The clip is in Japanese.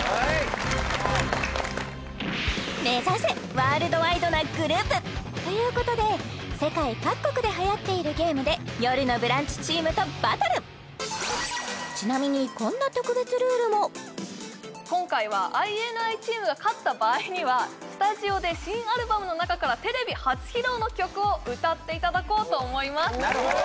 ワールドワイドなグループということで世界各国ではやっているゲームでよるのブランチチームとバトルちなみにこんな今回はスタジオで新アルバムの中からテレビ初披露の曲を歌っていただこうと思います